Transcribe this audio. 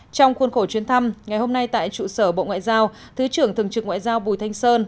trong khuôn khổ chuyến thăm ngày hôm nay tại trụ sở bộ ngoại giao thứ trưởng thường trực ngoại giao bùi thanh sơn